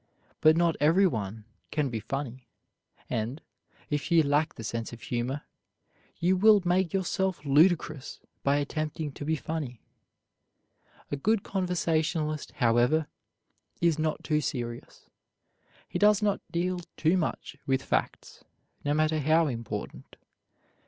But not everyone can be funny; and, if you lack the sense of humor, you will make yourself ludicrous by attempting to be funny. A good conversationalist, however, is not too serious. He does not deal too much with facts, no matter how important.